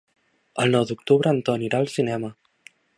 El nou d'octubre en Ton irà al cinema.